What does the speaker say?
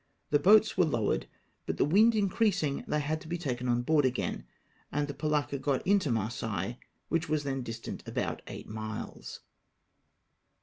The boats were lowered, but the wind m creasing, they had to be taken on board again, and the polacca got into Marseilles, which was then distant about eight miles.